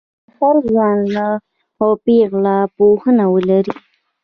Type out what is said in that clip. باید هر ځوان او پېغله پوهنه ولري